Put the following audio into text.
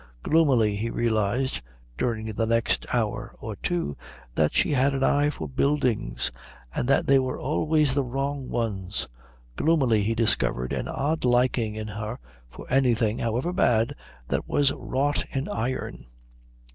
Gloomily he realised during the next hour or two that she had an eye for buildings, and that they were always the wrong ones. Gloomily he discovered an odd liking in her for anything, however bad, that was wrought in iron.